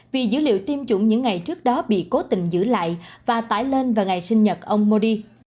vì dữ liệu tiêm chủng những ngày trước đó bị cố tình giữ lại và tải lên vào ngày sinh nhật ông modi